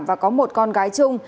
và có một con gái chung